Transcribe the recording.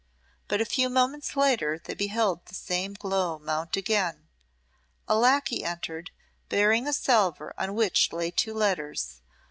But a few moments later they beheld the same glow mount again. A lacquey entered, bearing a salver on which lay two letters.